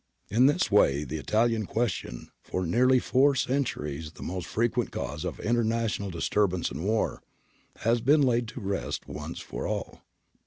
In this way the ' Italian question,' for nearly four cent uries the most frequent cause of international disturb ance and war, has been laid to rest once for all.